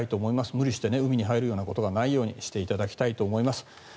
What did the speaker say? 無理して海に入るようなことがないようにしていただきたいと思います。